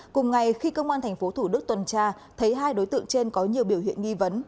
cùng ngày khi công an tp thủ đức tuần tra thấy hai đối tượng trên có nhiều biểu hiện nghi vấn